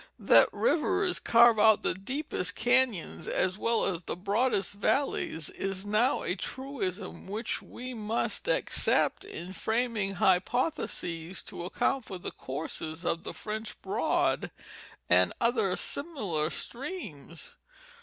That rivers carve out the deepest caiions, as well as the broadest valleys, is now a truism which we must accept in framing hypotheses to account for the courses of the French Broad and other similar streams.